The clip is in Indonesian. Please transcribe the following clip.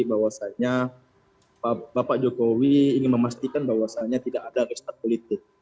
bahwasannya bapak jokowi ingin memastikan bahwasannya tidak ada restart politik